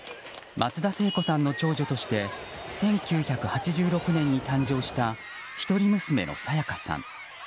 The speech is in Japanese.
松田聖子さんの長女として１９８６年に誕生した一人娘の沙也加さん。